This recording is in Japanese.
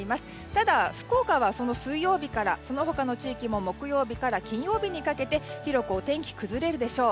ただ、福岡はその水曜日からその他の地域も木曜日から金曜日にかけて広くお天気崩れるでしょう。